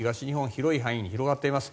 広い範囲に広がっています。